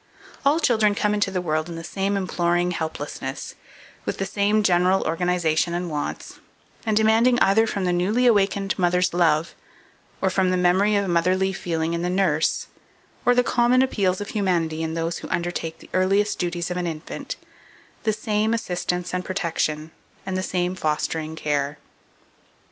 2459. All children come into the world in the same imploring helplessness, with the same general organization and wants, and demanding either from the newly awakened mother's love, or from the memory of motherly feeling in the nurse, or the common appeals of humanity in those who undertake the earliest duties of an infant, the same assistance and protection, and the same fostering care.